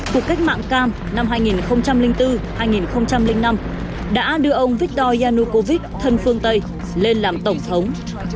cuộc cách mạng cam năm hai nghìn bốn hai nghìn năm đã đưa ông victor yanukovich thân phương tây lên làm tổng thống